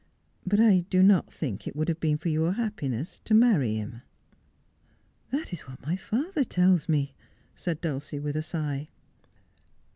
But I do not think it would have been for your happiness to marry him.' 'That is what my father tells me,' said Dulcie, with a sigh.